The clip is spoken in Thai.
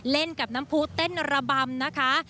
เล่นกับน้ำผู้เต้นระบำนะคะ